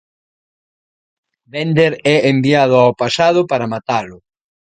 Bender é enviado ó pasado para matalo.